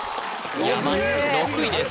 「山」６位です・